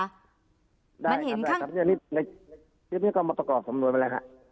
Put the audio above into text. ได้ครับคลิปนี้ก็มาประกอบสำนวนไปแล้วค่ะ